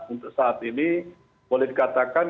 untuk saat ini boleh dikatakan